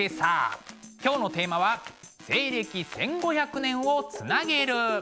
今日のテーマは「西暦１５００年をつなげる」です。